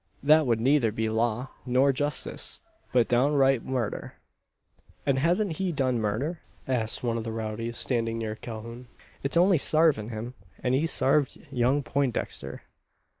That would neither be law, nor justice, but downright murder!" "And hasn't he done murder?" asks one of the rowdies standing near Calhoun. "It's only sarvin' him, as he sarved young Poindexter."